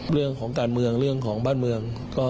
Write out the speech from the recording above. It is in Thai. เรื่องของการเมืองเรื่องของบ้านเมือง